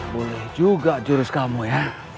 boleh juga jurus kamu ya